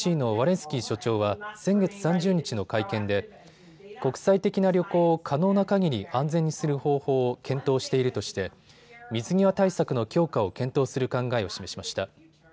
スキー所長は先月３０日の会見で国際的な旅行を可能なかぎり安全にする方法を検討しているとして水際対策の強化を検討する考えを示しました。